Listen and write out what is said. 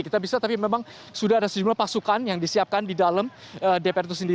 kita bisa tapi memang sudah ada sejumlah pasukan yang disiapkan di dalam dpr itu sendiri